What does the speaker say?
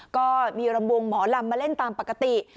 ก็มีรำวงหมอลำมาเล่นตามปกติ